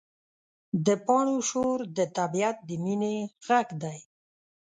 د پاڼو شور د طبیعت د مینې غږ دی.